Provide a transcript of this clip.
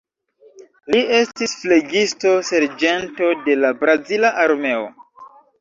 Li estis flegisto-serĝento de la brazila armeo.